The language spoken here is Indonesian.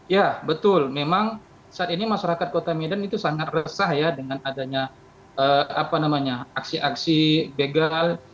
ya betul memang saat ini masyarakat kota medan itu sangat resah ya dengan adanya aksi aksi begal